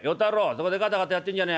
そこでガタガタやってんじゃねえ。